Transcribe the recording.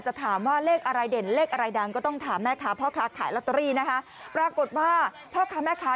ใช่ค่ะขอเลขท้าย๒ตัวก็พอพี่สุวรรณบอกแบบนี้